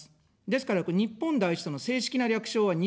ですから、日本第一党の正式な略称は、日本一です。